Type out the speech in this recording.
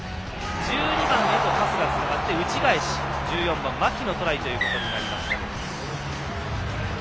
１２番へとパスがつながって内へ返して１４番、槇のトライとなりました。